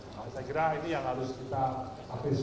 saya kira ini yang harus kita apresiasi